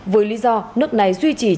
với lý do nước này duy trì chính phủ